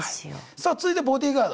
さあ続いて「ボディーガード」。